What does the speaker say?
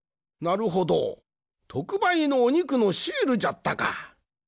なるほど。とくばいのおにくのシールじゃったか。